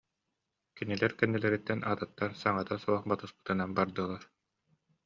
Кинилэр кэннилэриттэн атыттар саҥата суох батыспытынан бардылар